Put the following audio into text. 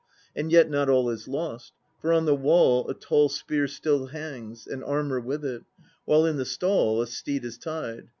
And yet not all is lost; for on the wall a tall spear still hangs, and armour with it; while in the stall a steed is tied.